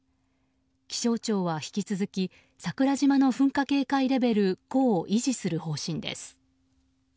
気象庁は引き続き桜島の噴火警戒レベル５を維持する方針です。